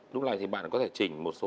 lúc này thì bạn có thể chỉnh một số